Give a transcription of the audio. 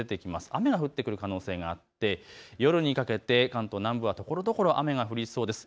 雨が降ってくる可能性があって夜にかけて関東南部はところどころ雨が降りそうです。